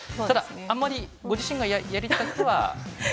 ただ、あまりご自身がやりたくは？